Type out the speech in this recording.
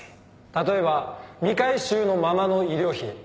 例えば未回収のままの医療費。